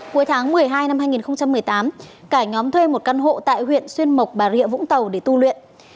cuối tháng một mươi hai năm hai nghìn một mươi tám cả nhóm thuê một căn hộ tại huyện xuyên mộc bà rịa vũng tàu để tu luyện